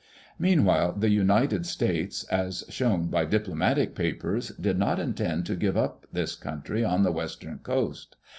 Meanwhile, the United States, as shown by diplomatic papers, did not intend to give up this country on the western coast.